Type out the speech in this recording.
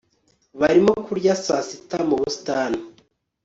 barimo kurya saa sita mu busitani